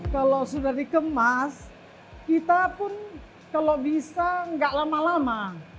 kalau sudah dikemas kita pun kalau bisa nggak lama lama